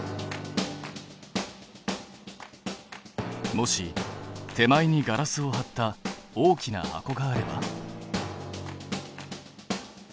もし手前にガラスを貼った大きな箱があれば？